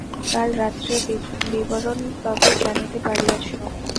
কাল রাত্রের বিবরণ তবে জানিতে পারিয়াছ।